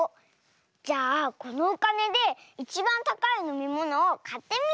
じゃあこのおかねでいちばんたかいのみものをかってみよう！